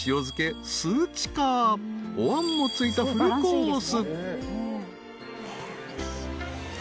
［おわんもついたフルコース］